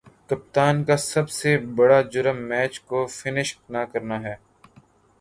کپتان کا سب سے برا جرم میچ کو فنش نہ کرنا ہے